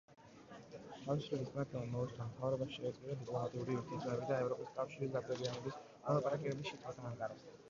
თავისუფლების პარტიამ მოუწოდა მთავრობას შეეწყვიტა დიპლომატიური ურთიერთობები და ევროპის კავშირის გაწევრიანების მოლაპარაკებების შეწყვეტა ანკარასთან.